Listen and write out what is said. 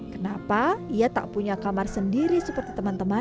kenapa ia tak punya kamar sendiri seperti teman teman